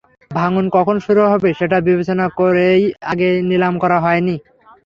ভাঙন কখন শুরু হবে সেটা বিবেচনা করেই আগে নিলাম করা হয়নি।